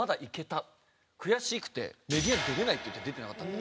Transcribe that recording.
悔しくてメディアに出られないって言って出てなかったの。